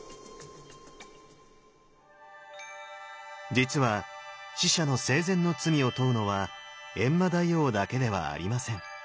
実は死者の生前の罪を問うのは閻魔大王だけではありません。